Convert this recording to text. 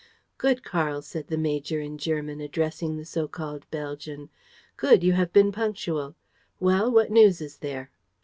"Good, Karl," said the major, in German, addressing the so called Belgian. "Good. You have been punctual. Well, what news is there?"